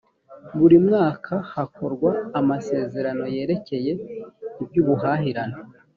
buri mwaka hakorwa amasezerano yerekeye iby’ubuhahirane